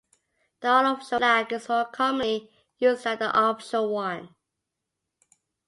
The unofficial flag is more commonly used than the official one.